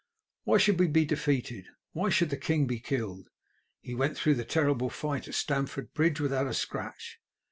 Why should we be defeated? Why should the king be killed? He went through the terrible fight at Stamford Bridge without a scratch.